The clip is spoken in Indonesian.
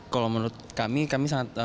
kalau menurut kami kami sangat